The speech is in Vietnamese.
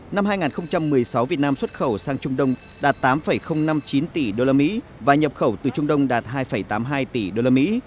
năm hai nghìn một mươi sáu việt nam xuất khẩu sang trung đông đạt tám năm mươi chín tỷ usd và nhập khẩu từ trung đông đạt hai tám mươi hai tỷ usd